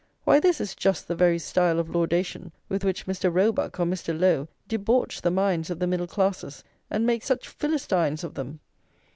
Why, this is just the very style of laudation with which Mr. Roebuck or Mr. Lowe debauch the minds of the middle classes, and make such Philistines of them.